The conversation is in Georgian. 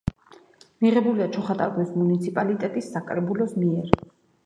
მიღებულია ჩოხატაურის მუნიციპალიტეტის საკრებულოს მიერ.